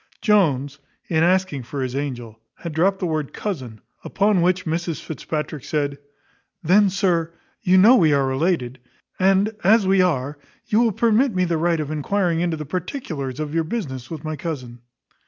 Jones, in asking for his angel, had dropped the word cousin, upon which Mrs Fitzpatrick said, "Then, sir, you know we are related: and, as we are, you will permit me the right of enquiring into the particulars of your business with my cousin."